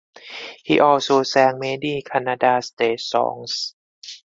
He also sang many Kannada stage songs.